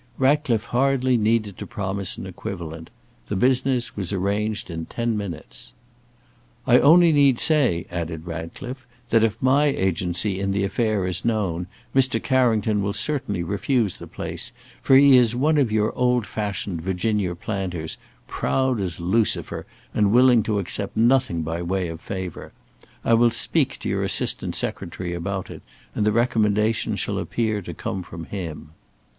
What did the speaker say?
Ratcliffe hardly needed to promise an equivalent. The business was arranged in ten minutes. "I only need say," added Ratcliffe, "that if my agency in the affair is known, Mr. Carrington will certainly refuse the place, for he is one of your old fashioned Virginia planters, proud as Lucifer, and willing to accept nothing by way of favour. I will speak to your Assistant Secretary about it, and the recommendation shall appear to come from him."